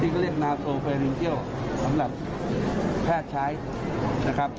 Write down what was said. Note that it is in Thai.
ก็เรียกนาวโซเฟรนินเที่ยวสำหรับแพทย์ใช้นะครับ